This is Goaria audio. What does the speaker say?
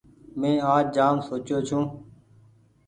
مين آج جآم سوچيو ڇون ۔